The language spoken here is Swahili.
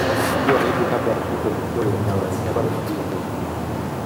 Ziwa hili kabla ya kuitwa Victoria lilikuwa na majina mengi